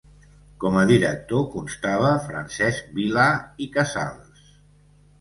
Com a director constava Francesc Vilà i Casals.